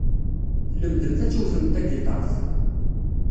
Tlemdemt ad tewtemt tagiṭart?